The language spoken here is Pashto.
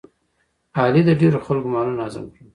علي د ډېرو خلکو مالونه هضم کړل.